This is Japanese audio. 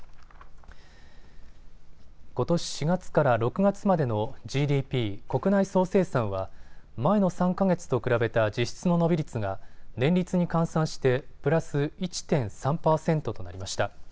ことし４月から６月までのＧＤＰ・国内総生産は前の３か月と比べた実質の伸び率が年率に換算してプラス１．３％となりました。